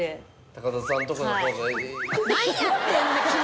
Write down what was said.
高田さんとこの方が。